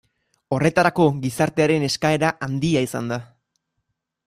Horretarako gizartearen eskaera handia izan da.